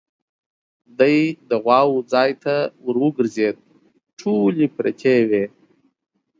دی د غواوو ځای ته ور وګرځېد، ټولې پرتې وې.